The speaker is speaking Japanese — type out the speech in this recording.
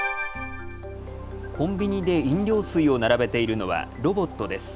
コンビニで飲料水を並べているのはロボットです。